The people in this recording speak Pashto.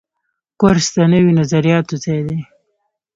کورس د نویو نظریاتو ځای دی.